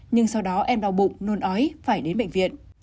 nhưng sau đó em đau bụng nôn ói phải đến bệnh viện